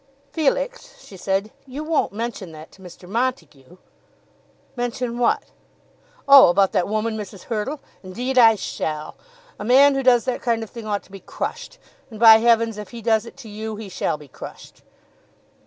"Felix," she said, "you won't mention that to Mr. Montague!" "Mention what? Oh! about that woman, Mrs. Hurtle? Indeed I shall. A man who does that kind of thing ought to be crushed; and, by heavens, if he does it to you, he shall be crushed."